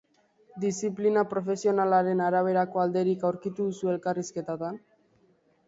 Diziplina profesionalaren araberako alderik aurkitu duzu elkarrizketetan?